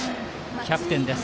キャプテンです。